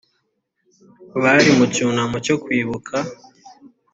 bari mu cyunamo cyo kwibuka